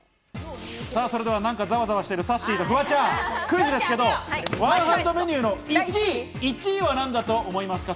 それではなんか、ざわざわしてるさっしーとフワちゃん、クイズですけど、ワンハンドメニューの１位は何だと思いますか？